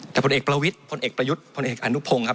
แต่ผลเอกประวิทย์พลเอกประยุทธ์พลเอกอนุพงศ์ครับ